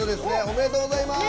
おめでとうございます。